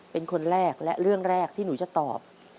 เป็นคนแรกและเรื่องแรกที่หนูจะตอบ